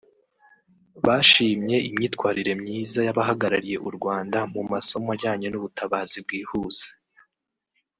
bashimye imyitwarire myiza y’abahagarariye u Rwanda mu masomo ajyanye n’ubutabazi bwihuse